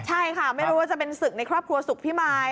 ใช่ค่ะไม่รู้ว่าจะเป็นศึกในครอบครัวสุขพิมาย